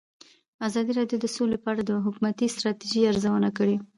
ازادي راډیو د سوله په اړه د حکومتي ستراتیژۍ ارزونه کړې.